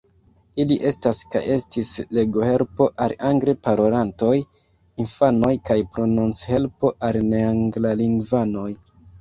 Ili estas kaj estis legohelpo al angle parolantaj infanoj kaj prononchelpo al neanglalingvanoj.